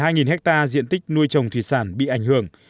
sáu hai nghìn hecta diện tích nuôi trồng thủy sản bị ảnh hưởng